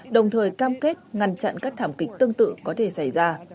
đồng thời cam kết ngăn chặn các thảm kịch tương tự có thể xảy ra